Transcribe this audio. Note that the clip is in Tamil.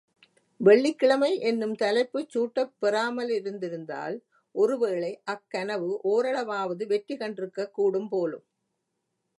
வெள்ளிக்கிழமை என்னும் தலைப்புச் சூட்டப் பெறாமலிருந்திருந்தால், ஒருவேளை அக்கனவு ஓரளவாவது வெற்றி கண்டிருக்கக் கூடும் போலும்!